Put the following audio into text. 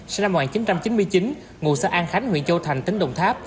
sinh năm một nghìn chín trăm chín mươi chín ngụ xã an khánh huyện châu thành tỉnh đồng tháp